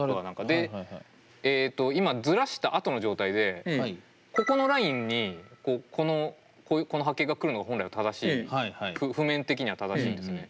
でえと今ズラしたあとの状態でここのラインにこの波形が来るのが本来は正しい譜面的には正しいんですね。